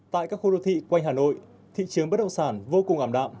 tại các khu đô thị quanh hà nội thị trường bất động sản vô cùng ảm đạm